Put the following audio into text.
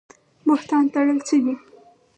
بهتان تړل څه دي؟